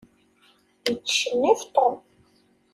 Yettcennif Tom.